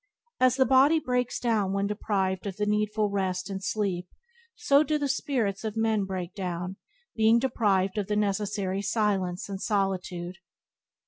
As the body breaks down when deprived of the needful rest and sleep, so do the spirits of men break down, being deprived of the necessary silence and solitude.